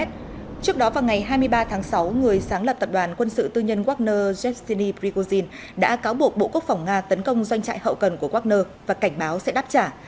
trước đó vào ngày hai mươi ba tháng sáu người sáng lập tập đoàn quân sự tư nhân wagner jet sydny prigozhin đã cáo buộc bộ quốc phòng nga tấn công doanh trại hậu cần của wagner và cảnh báo sẽ đáp trả